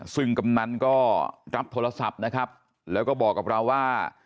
ซึ่งกำนันก็รับโทรศัพท์นะครับแล้วก็บอกกับเราว่า